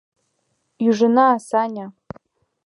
— Ӱжына, Саня...